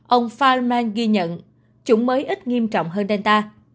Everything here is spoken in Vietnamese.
ông feynman ghi nhận chủng mới ít nghiêm trọng hơn delta